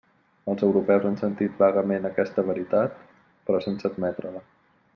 Els europeus han sentit vagament aquesta veritat, però sense admetre-la.